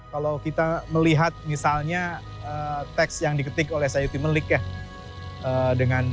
kalau kita melihat misalnya teks yang diketik oleh sayuti melik ya